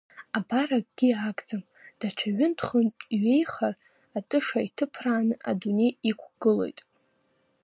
Абар акгьы агӡам, даҽа ҩынтә-хынтә иҩеихар, атыша иҭыԥрааны адунеи иқәгылоит.